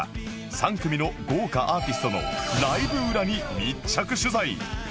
３組の豪華アーティストのライブ裏に密着取材